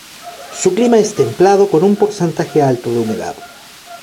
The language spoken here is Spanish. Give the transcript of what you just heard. Su clima es templado con un porcentaje alto de humedad.